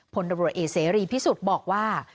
ภนรเอเซรีพิสุทธิ์บอกว่า